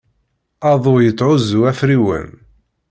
Aḍu yetthuzu afriwen.